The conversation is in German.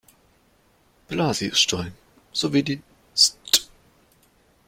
Blasius-Stolln“ sowie die „St.